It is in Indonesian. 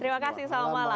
terima kasih selamat malam